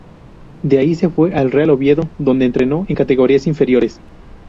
De ahí se fue al Real Oviedo donde entrenó en categorías inferiores.